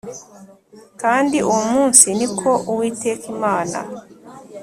Kandi uwo munsi ni ko Uwiteka Imana